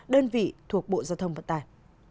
đơn vị thuộc bộ giao thông vận tài